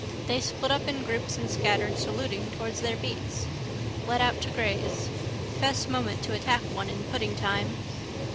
They split up in groups and scattered, saluting, towards their beats. Let out to graze. Best moment to attack one in pudding time.